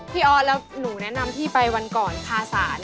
พี่ออดแล้วหนูแนะนำที่ไปวันก่อนพาสาน